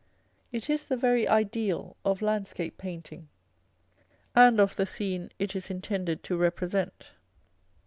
It is the very ideal of landscape painting, and of the scene it is intended to represent.